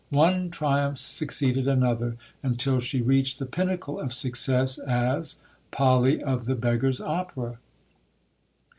One triumph succeeded another until she reached the pinnacle of success as Polly of the Beggar's Opera.